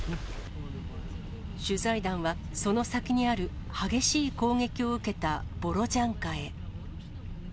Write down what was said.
取材団は、その先にある激しい攻撃を受けたボロジャンカへ。